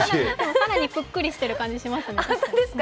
更にぷっくりしている感じがしますね。